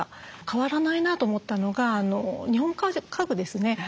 変わらないなと思ったのが日本家具ですね。